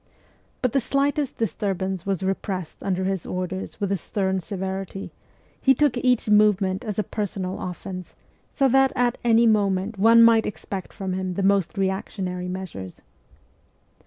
But the slightest disturbance was repressed under his orders with a stern severity ; he took each movement as a personal offence, so that at any moment one might expect from him the most reactionary measures.